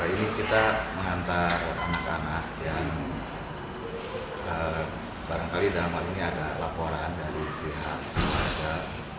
ini kita mengantar anak anak yang barangkali dalam hal ini ada laporan dari pihak keluarga